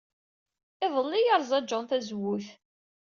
Iḍelli ay yerẓa John tazewwut.